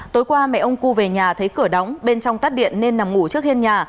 tối qua mẹ ông cu về nhà thấy cửa đóng bên trong tắt điện nên nằm ngủ trước hiên nhà